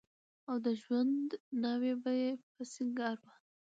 او د ژوند ناوې به په کې سينګار وه.